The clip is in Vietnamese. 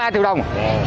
ba triệu đồng